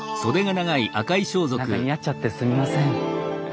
何か似合っちゃってすみません。